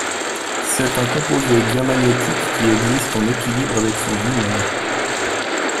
C'est un composé diamagnétique qui existe en équilibre avec son dimère.